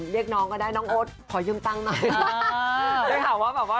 เรียกน้องก็ได้น้องโอ๊ตขอยืมตั้งหน่อย